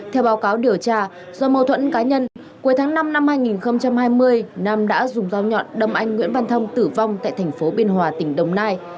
theo báo cáo điều tra do mâu thuẫn cá nhân cuối tháng năm năm hai nghìn hai mươi nam đã dùng dao nhọn đâm anh nguyễn văn thông tử vong tại thành phố biên hòa tỉnh đồng nai